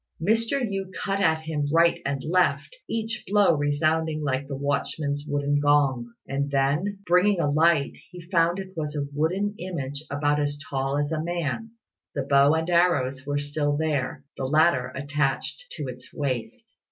Mr. Yü cut at him right and left, each blow resounding like the watchman's wooden gong; and then, bringing a light, he found it was a wooden image about as tall as a man. The bow and arrows were still there, the latter attached to its waist.